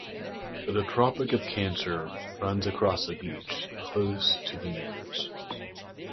The Tropic of Cancer runs across a beach close to the city.